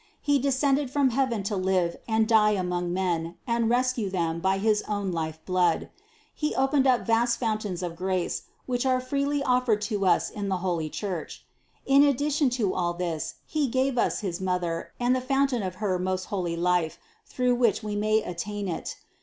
He descended from heaven to live and die among men and rescue them by his own life blood. He opened up vast foundations of grace, which are freely offered to us in the holy Church. In addition to all this He gave us his Mother and the foun tain of her most holy life, through which we may attain it.